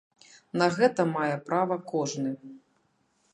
На гэта мае права кожны.